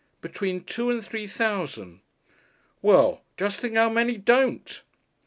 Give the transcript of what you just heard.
"Between two and three thousand." "Well, just think how many don't!"